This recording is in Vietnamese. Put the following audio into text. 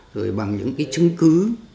rồi bằng những cái chứng cứ